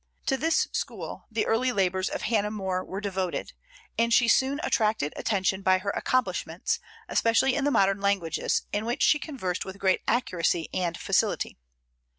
To this school the early labors of Hannah More were devoted; and she soon attracted attention by her accomplishments, especially in the modern languages, in which she conversed with great accuracy and facility.